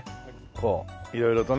こう色々とね。